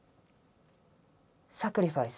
「サクリファイス」。